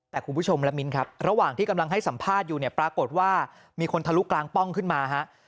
แต่คุณผู้ชมและมิ้นครับระหว่างที่กำลังให้สัมภาษณ์อยู่เนี่ยปรากฏว่ามีคนทะลุกลางป้องขึ้นมาฮะ